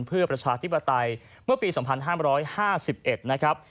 เพื่อประชาธิปไตยเมื่อปี๒๕๕๑นะครับ